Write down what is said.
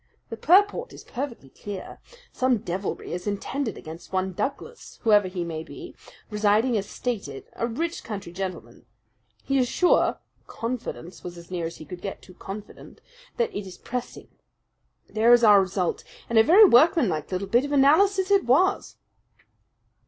The purport is perfectly clear. Some deviltry is intended against one Douglas, whoever he may be, residing as stated, a rich country gentleman. He is sure 'confidence' was as near as he could get to 'confident' that it is pressing. There is our result and a very workmanlike little bit of analysis it was!"